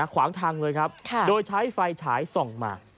ขวางทางเลยครับโดยใช้ไฟฉายส่องมา